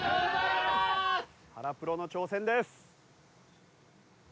原プロの挑戦です。